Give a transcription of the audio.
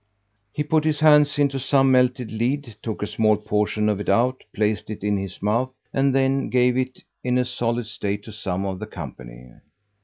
He put his hand into some melted lead, took a small portion of it out, placed it in his mouth, and then gave it in a solid state to some of the company.